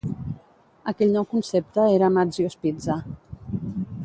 Aquell nou concepte era Mazzio's Pizza.